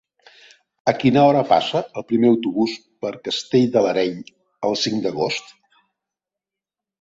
A quina hora passa el primer autobús per Castell de l'Areny el cinc d'agost?